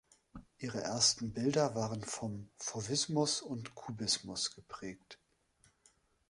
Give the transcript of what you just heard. Ihre ersten Bilder waren vom Fauvismus und Kubismus geprägt.